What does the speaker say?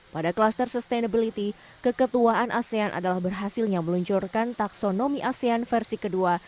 pada kluster sustainability keketuaan asean adalah berhasilnya meluncurkan taksonomi asean versi kedua